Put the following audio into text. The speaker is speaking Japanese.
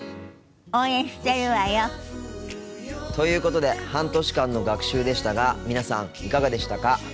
応援してるわよ。ということで半年間の学習でしたが皆さんいかがでしたか？